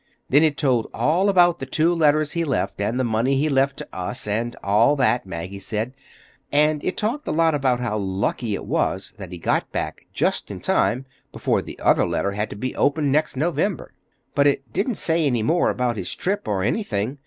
Then it told all about the two letters he left, and the money he left to us, and all that, Maggie said; and it talked a lot about how lucky it was that he got back just in time before the other letter had to be opened next November. But it didn't say any more about his trip, or anything.